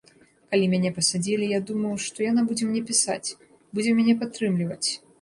Калі мяне пасадзілі, я думаў, што яна будзе мне пісаць, будзе мяне падтрымліваць.